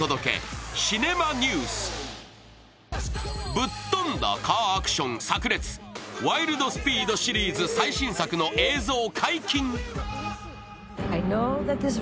ぶっ飛んだカーアクションさく裂「ワイルド・スピード」シリーズ最新作の映像解禁。